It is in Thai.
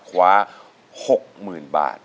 คว้า๖๐๐๐บาท